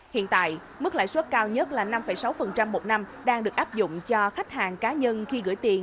hiện tại mức lãi suất cao nhất là năm sáu một năm đang được áp dụng cho khách hàng cá nhân khi gửi tiền